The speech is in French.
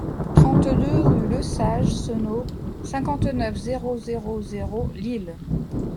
trente-deux rue Lesage Senault, cinquante-neuf, zéro zéro zéro, Lille